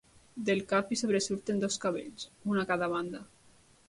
Del cap hi sobresurten dos cabells, un a cada banda.